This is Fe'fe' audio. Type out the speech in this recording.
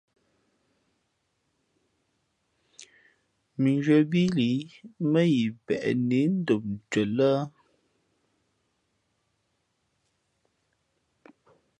Mʉnzhwē bií lǐ mά yi peʼ nǐ ndom ncwen lά ?